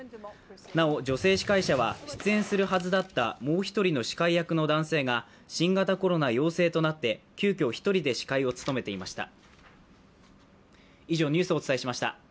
なお、女性司会者は出演するはずだったもう一人の司会役の男性が新型コロナ陽性となって急きょ１人で司会を務めていました。